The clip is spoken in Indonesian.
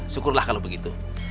syukurlah kalau begitu